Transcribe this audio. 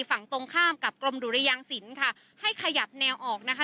ฝั่งตรงข้ามกับกรมดุรยางศิลป์ค่ะให้ขยับแนวออกนะคะ